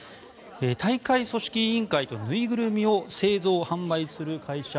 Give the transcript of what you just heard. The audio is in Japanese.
大会組織委員会と縫いぐるみを製造・販売する会社